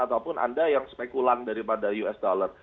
ataupun anda yang spekulan daripada us dollar